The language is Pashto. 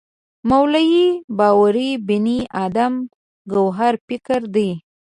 مولوی باور بني ادم ګوهر فکر دی.